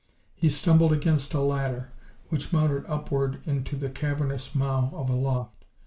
He stumbled against a ladder, which mounted upward into the cavernous mow of a loft.